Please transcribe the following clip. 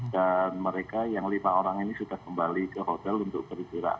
dan mereka yang lima orang ini sudah kembali ke hotel untuk perhubungan